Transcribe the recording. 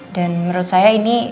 dan menurut saya ini